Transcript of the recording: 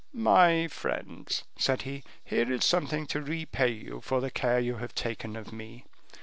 "My friends," said he, "here is something to repay you for the care you have taken of me.